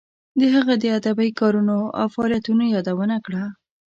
د هغه د ادبی کارونو او فعالیتونو یادونه کړه.